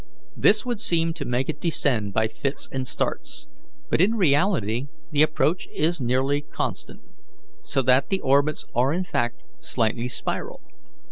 This would seem to make it descend by fits and starts, but in reality the approach is nearly constant, so that the orbits are in fact slightly spiral.